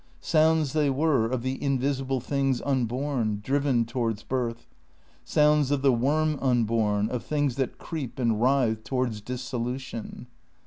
Sounds they were of the invisible things unborn, driven towards birth; sounds of the worm unborn, of things that creep and writhe towards dissolution.